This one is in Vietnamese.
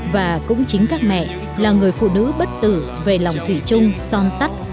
và cũng chính các mẹ là người phụ nữ bất tử về lòng thủy chung son sắt